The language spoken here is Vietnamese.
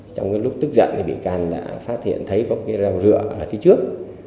trong cái lúc tức giận thì bị can đã phát hiện thấy có cái rau rựa ở phía trước